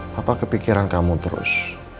papa kepikiran kamu terus